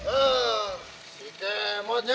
eh si kemotnya